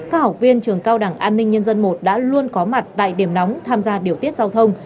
các học viên trường cao đẳng an ninh nhân dân i đã luôn có mặt tại điểm nóng tham gia điều tiết giao thông